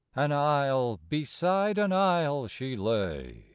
An isle beside an isle she lay.